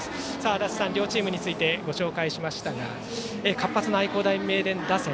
足達さん、両チームについてご紹介しましたが活発な愛工大名電打線。